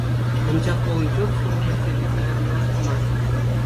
Анчах волонтер шухӑшӗсене пӗлтерме васкамарӗ.